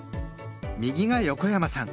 右が横山さん